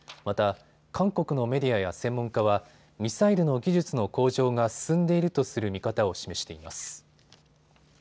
また韓国のメディアや専門家はミサイルの技術の向上が進んでいるとする見方を示しています。